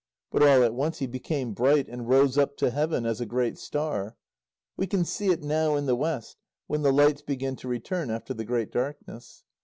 But all at once he became bright, and rose up to heaven as a great star. We can see it now, in the west, when the lights begin to return after the great darkness.